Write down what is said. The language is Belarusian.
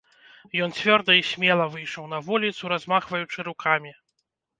Ён цвёрда і смела выйшаў на вуліцу, размахваючы рукамі.